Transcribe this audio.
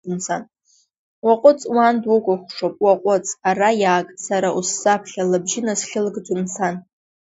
Уаҟәыҵ, уан дукәыхшоуп, уаҟәыҵ, ара иааг, сара усзаԥхьа, лыбжьы насхьылгӡон сан.